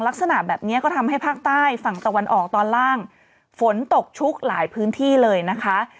ลักษณะแบบนี้ก็ทำให้ภาคใต้ฝั่งตะวันออกตอนล่างฝนตกชุกหลายพื้นที่เลยนะคะ